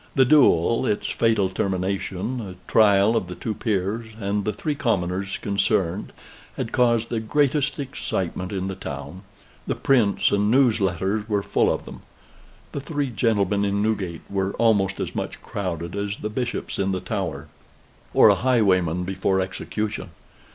The duel, its fatal termination, the trial of the two peers and the three commoners concerned, had caused the greatest excitement in the town. The prints and News Letters were full of them. The three gentlemen in Newgate were almost as much crowded as the bishops in the Tower, or a highwayman before execution.